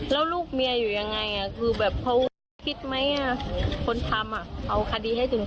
มันเกิดกว่าเหตุค่ะที่ทำ